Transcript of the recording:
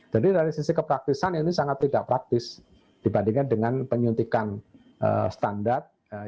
jadi dari sisi kepraktisan ini sangat tidak praktis dibandingkan dengan penyuntikan standar